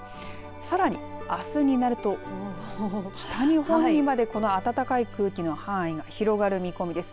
さらに、あすになると北日本にまでこの暖かい空気の範囲が広がる見込みです。